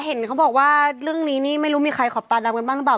เห็นเขาบอกว่าเรื่องนี้นี่ไม่รู้มีใครขอบตาดำกันบ้างหรือเปล่า